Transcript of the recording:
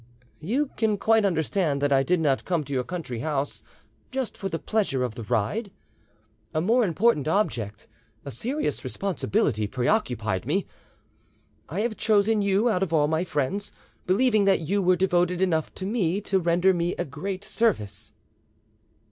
"You can quite understand that I did not come to your country house just for the pleasure of the ride. A more important object, a serious responsibility, preoccupied me; I have chosen you out of all my friends, believing that you were devoted enough to me to render me a great service."